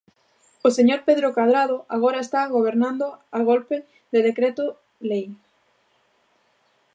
O señor Pedro Cadrado agora está gobernando a golpe de decreto lei.